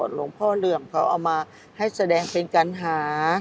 หลวงพ่อเหลื่อมเขาเอามาให้แสดงเป็นการหา